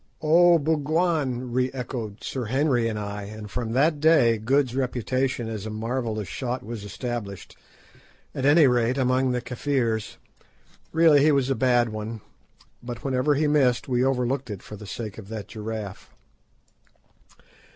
"Oh, 'Bougwan!'" re echoed Sir Henry and I, and from that day Good's reputation as a marvellous shot was established, at any rate among the Kafirs. Really he was a bad one, but whenever he missed we overlooked it for the sake of that giraffe.